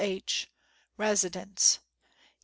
H : Residence. K.